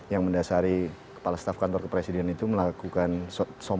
yang mendasari kepala staf kantor kepresiden itu melakukan sosialisasi